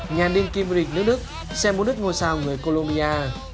nhàn đêm kim rịch nước đức xem bút đứt ngôi sao người colombia